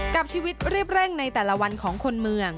กับชีวิตรีบเร่งในแต่ละวันของคนเมือง